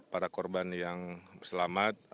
para korban yang selamat